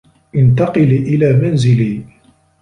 انتقلي إلى منزلي.